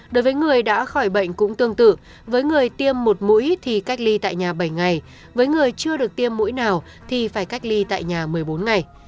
đối với người đã khỏi bệnh cũng tương tự với người tiêm một mũi thì cách ly tại nhà bảy ngày với người chưa được tiêm mũi nào thì phải cách ly tại nhà một mươi bốn ngày